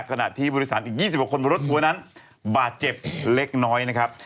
ขณะที่บริษันอีก๒๖คนบริษัทตัวนั้นบาดเจ็บเล็กน้อยนะครับ